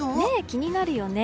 気になるよね。